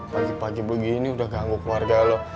pagi pagi begini udah ganggu keluarga loh